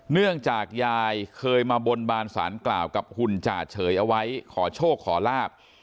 เนื่องจากยายเคยมาบนบานสารกล่าวกับหุ่นจ่าเฉยเอาไว้ขอโชคขอลาบ